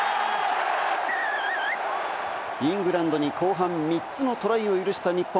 イングランドに後半３つのトライを許した日本。